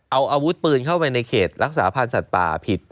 เอาอาวุธปืนเข้าไปในเขตรักษาพันธ์สัตว์ป่าผิด